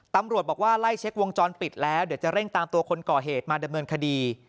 ตำรวจบอกว่าไล่เช็ควงจรปิดแล้วเดี๋ยวจะเร่งตามตัวคนก่อเหตุมาดำเนินคดี